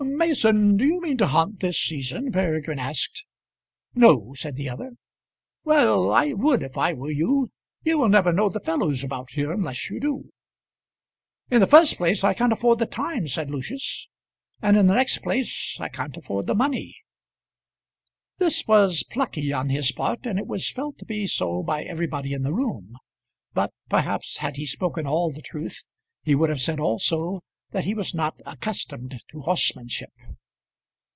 "Mason, do you mean to hunt this season?" Peregrine asked. "No," said the other. "Well, I would if I were you. You will never know the fellows about here unless you do." "In the first place I can't afford the time," said Lucius, "and in the next place I can't afford the money." This was plucky on his part, and it was felt to be so by everybody in the room; but perhaps had he spoken all the truth, he would have said also that he was not accustomed to horsemanship.